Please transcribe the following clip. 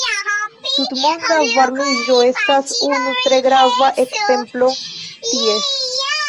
Tutmonda varmiĝo estas unu tre grava ekzemplo ties.